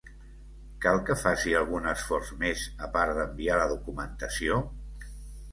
Cal que faci algun esforç més, a part d'enviar la documentació?